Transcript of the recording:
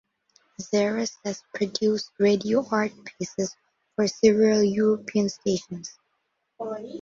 Jerez has produced radio art pieces for several European stations.